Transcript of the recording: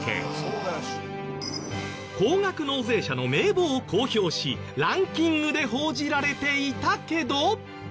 高額納税者の名簿を公表しランキングで報じられていたけど。